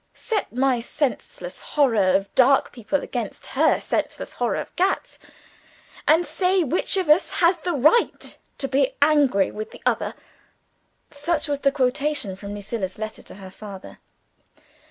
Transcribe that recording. Set my senseless horror of dark people against her senseless horror of cats and say which of us has the right to be angry with the other?'" Such was the quotation from Lucilla's letter to her father.